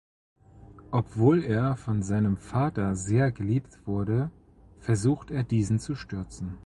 Obwohl er von seinem Vater sehr geliebt wurde, versucht er diesen zu stürzen.